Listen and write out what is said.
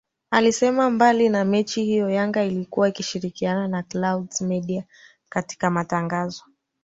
Alisema mbali na mechi hiyo Yanga ilikuwa ikishirikiana na Clouds Media katika matangazo